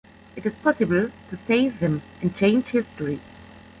It is possible to save him and change history.